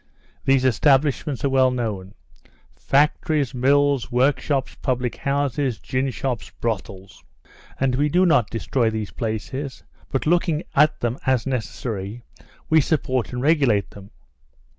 These establishments are well known: factories, mills, workshops, public houses, gin shops, brothels. And we do not destroy these places, but, looking at them as necessary, we support and regulate them.